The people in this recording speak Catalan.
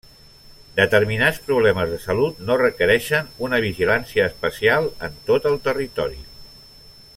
Determinats problemes de salut no requereixen una vigilància especial en tot el territori.